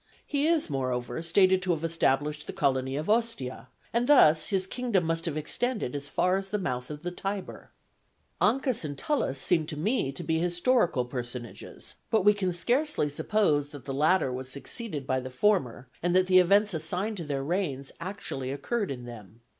He is moreover stated to have established the colony of Ostia, and thus his kingdom must have extended as far as the mouth of the Tiber. Ancus and Tullus seem to me to be historical personages; but we can scarcely suppose that the latter was succeeded by the former, and that the events assigned to their reigns actually occurred in them.